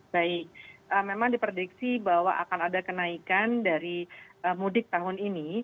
baik memang diprediksi bahwa akan ada kenaikan dari mudik tahun ini